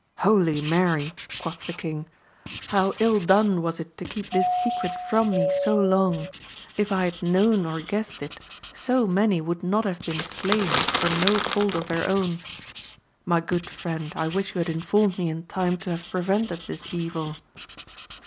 Holy Mary ! quotli the king, how ill done was it to keep this secret from me so long. If I had known or guessed it, so many would not have been slain for no fault of their own! My good friend, I wish you had informed me in time to have prevented this evil